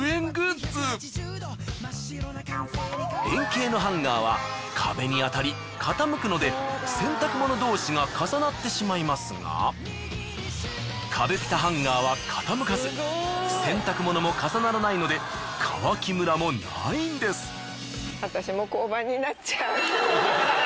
円形のハンガーは壁に当たり傾くので洗濯物同士が重なってしまいますがかべぴたハンガーは傾かず洗濯物も重ならないので乾きムラもないんです。